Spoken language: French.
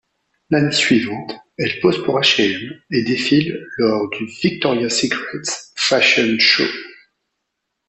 L'année suivante, elle pose pour H&M et défile lors du Victoria's Secret Fashion Show.